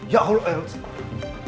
ya allah elsa